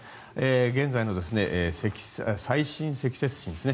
現在の最深積雪ですね。